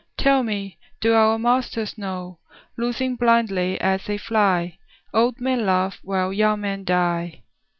Tell me, do our masters know, Loosing blindly as they fly, Old men love while young men die?